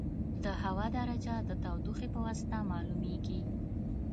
د هوا درجه د تودوخې په واسطه معلومېږي.